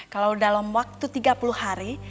karena dalam waktu tiga puluh hari